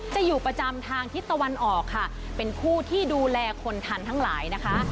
จะอยู่ประจำทางทิศตะวันออกค่ะเป็นคู่ที่ดูแลคนทันทั้งหลายนะคะ